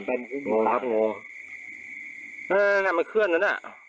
เออมันเขื่อนนี่อ่ะ